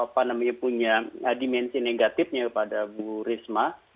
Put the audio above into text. panem ibu punya dimensi negatifnya kepada bu risma